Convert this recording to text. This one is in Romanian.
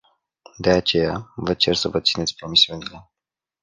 De aceea, vă cer să vă țineți promisiunile!